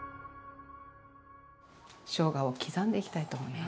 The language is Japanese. しょうがを刻んでいきたいと思います。